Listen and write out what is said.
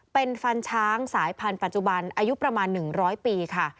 เป็นฟันช้างสายพันธุ์ปัจจุบันอายุประมาณ๑๐๐ปีค่ะ